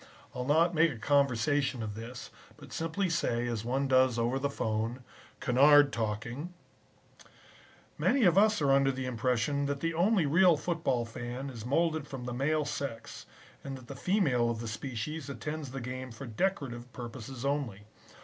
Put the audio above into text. I'll not make a conversation of this, but simply say as one does over the 'phone, "Kennard talking": [Illustration: VIC KENNARD'S KICK] "Many of us are under the impression that the only real football fan is molded from the male sex and that the female of the species attends the game for decorative purposes only.